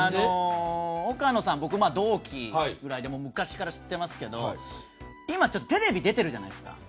岡野さん、僕は同期くらいで昔から知ってますけど今テレビ出てるじゃないですか。